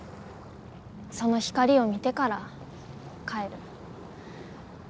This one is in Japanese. その光を見てから帰る。